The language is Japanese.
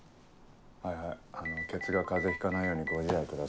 はいはいケツが風邪ひかないようにご自愛ください。